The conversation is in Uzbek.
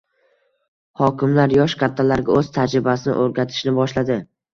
Hokimlar yosh kadrlarga o'z tajribasini o'rgatishni boshladi.